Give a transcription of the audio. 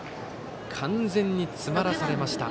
完全に詰まらされました。